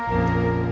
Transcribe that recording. kamu gak tau kan